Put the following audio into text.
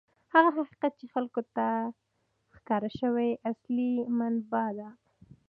هغه حقیقت چې خلکو ته ښکاره شوی، اصلي مبنا ده.